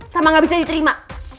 sama gak bisa diterima